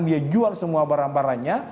dia jual semua barang barangnya